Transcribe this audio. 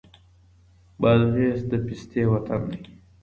بادغيس د پيستې وطن دی.